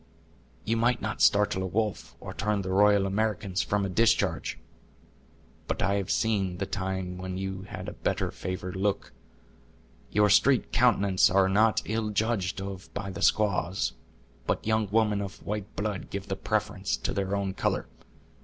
"You might not startle a wolf, or turn the Royal Americans from a discharge; but I have seen the time when you had a better favored look; your streaked countenances are not ill judged of by the squaws, but young women of white blood give the preference to their own color.